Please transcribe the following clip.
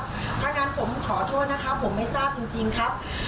ถ้างั้นผมขอโทษนะครับผมไม่ทราบจริงครับ